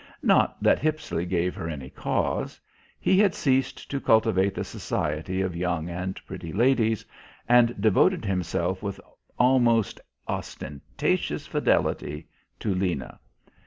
Not that Hippisley gave her any cause. He had ceased to cultivate the society of young and pretty ladies, and devoted himself with almost ostentatious fidelity to Lena.